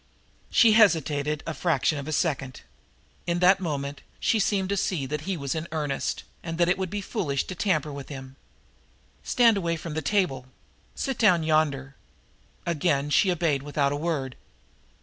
She hesitated a fraction of a second. In that moment she seemed to see that he was in earnest, and that it would be foolish to tamper with him. "Stand away from that table; sit down yonder." Again she obeyed without a word.